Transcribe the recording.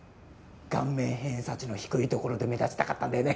顔面偏差値の低いところで目立ちたかったんだよね？